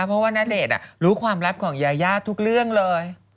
เพราะว่าณเดชน์รู้ความลับของยายาทุกเรื่องเลย